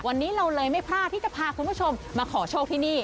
วันนี้เราเลยไม่พลาดที่จะพาคุณผู้ชมมาขอโชคที่นี่